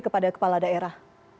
kepada kepala daerah